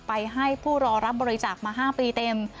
ให้ผู้รอรับบริจาคมา๕ปีเต็ม